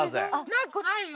なくないよ。